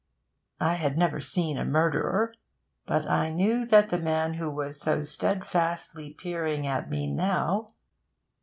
I had never seen a murderer, but I knew that the man who was so steadfastly peering at me now...